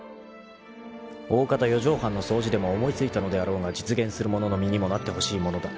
［おおかた四畳半の掃除でも思い付いたのであろうが実現する者の身にもなってほしいものだ］